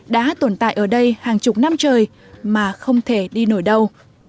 đã tồn tại ở đây hàng chục năm trời mà không thể đi nổi đâu